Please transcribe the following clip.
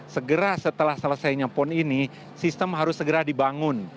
segera setelah selesainya pon ini sistem harus segera dibangun